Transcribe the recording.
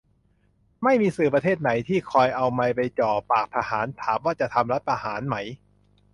ไม่มีสื่อประเทศไหน ที่คอยเอาไมค์ไปจ่อปากทหาร ถามว่าจะทำรัฐประหารไหม